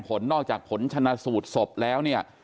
ผลนอกจากผลชนะสูตรศพแล้วเนี่ย